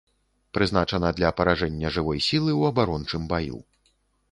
Прызначана для паражэння жывой сілы ў абарончым баю.